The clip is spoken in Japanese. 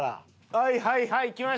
はいはいはいきました。